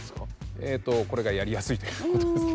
えとこれがやりやすいということですね。